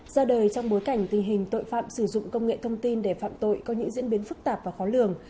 ra đời trong bối cảnh tình hình tội phạm sử dụng công nghệ thông tin để phạm tội có những diễn biến phức tạp và khó lường